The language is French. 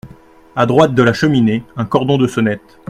À droite de la cheminée, un cordon de sonnette.